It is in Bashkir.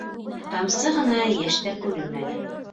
Тамсы ғына йәш тә күренмәне.